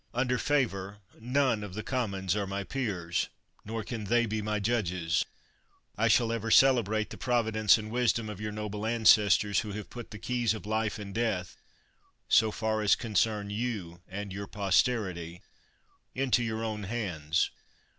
Under favor, none of the Commons are my peers, nor can they be my judges. I shall ever celebrate the providence and wisdom of your noble ances tors, who have put the keys of life and death, so far as concerns you and your posterity, into your own hands.